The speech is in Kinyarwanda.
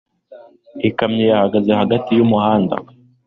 Ikamyo yahagaze hagati y'umuhanda